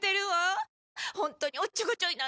ホントにおっちょこちょいなんだから。